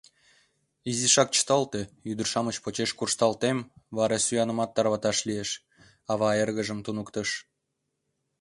«Изишак чыталте, ӱдыр-шамыч почеш куржтал тем, вара сӱанымат тарваташ лиеш», — ава эргыжым туныктыш.